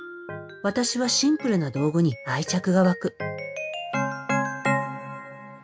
私はシンプルな道具に愛着が湧く。